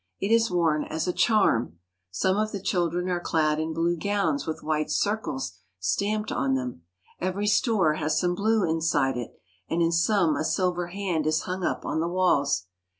It is worn as a charm. Some of the children are clad in blue gowns with white circles stamped on them. Every store has some blue inside it, and in some a silver hand is hung up on the walls.